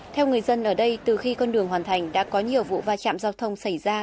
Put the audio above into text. theo người dân ở đây từ khi con đường hoàn thành đã có nhiều vụ va chạm giao thông xảy ra